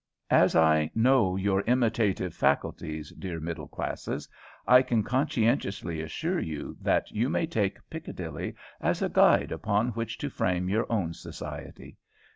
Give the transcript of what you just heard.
As I know your imitative faculties, dear middle classes, I can conscientiously assure you that you may take 'Piccadilly' as a guide upon which to frame your own society.